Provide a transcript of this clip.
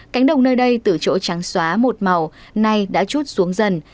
cánh đồng nơi đây từ chỗ trắng xóa một màu nay đã chút xuống dần